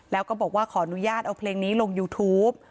แล้วก็บอกว่าขออนุญาตเอาเพลงนี้ลงยูทูป